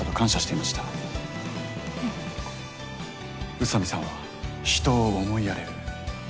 宇佐美さんは人を思いやれる。